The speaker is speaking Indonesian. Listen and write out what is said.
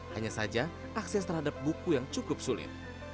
hanya saja akses terhadap buku yang cukup sulit